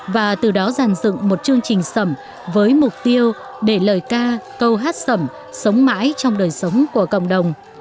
và từ đó dàn dựng một chương trình sầm với mục tiêu để lời ca câu hát sầm sống mãi trong đời sống của cộng đồng